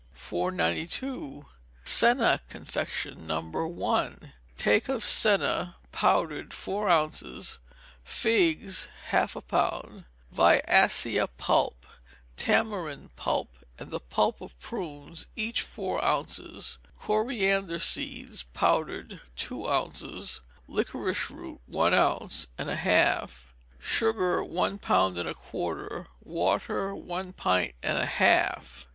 492. Senna Confection. No. 1. Take of senna, powdered, four ounces; figs, half a pound, viassia pulp, tamarind pulp, and the pulp of prunes, each four ounces; coriander seeds, powdered, two ounces; liquorice root, one ounce and a half; sugar, one pound and a quarter; water, one pint and a half.